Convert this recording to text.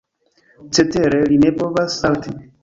Cetere, li ne povas salti.